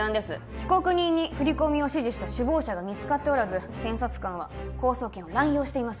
被告人に振り込みを指示した首謀者が見つかっておらず検察官は公訴権を乱用しています